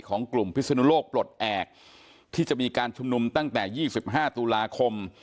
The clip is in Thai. ของกลุ่มพิศนุโลกปลดแอบที่จะมีการชุมนุมตั้งแต่๒๕ตุลาคม